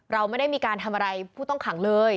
เราไม่ได้มีการทำอะไรผู้ต้องขังเลย